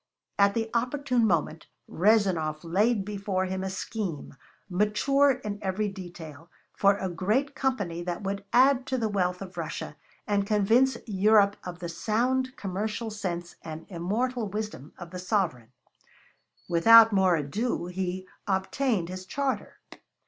At the opportune moment Rezanov laid before him a scheme, mature in every detail, for a great company that would add to the wealth of Russia, and convince Europe of the sound commercial sense and immortal wisdom of its sovereign. Without more ado he obtained his charter.